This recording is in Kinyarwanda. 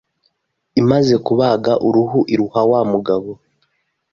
Imaze kubaga uruhu iruha wa mugabo